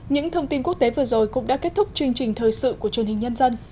những thông tin quốc tế vừa rồi cũng đã kết thúc chương trình thời sự của truyền hình nhân dân